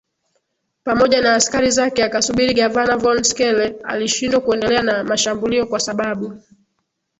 pamoja na askari zake akasubiri Gavana von Schele alishindwa kuendelea na mashambulio kwa sababu